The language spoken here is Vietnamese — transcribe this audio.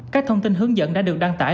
các thông tin hướng dẫn đã được đăng tải